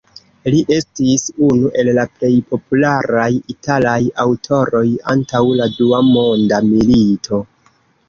Li estis unu el la plej popularaj italaj aŭtoroj antaŭ la Dua Monda Milito.